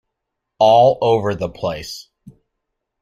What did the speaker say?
All over the place.